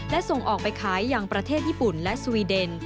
และส่งออกไปขายอย่างประเทศญี่ปุ่นและสวีเดน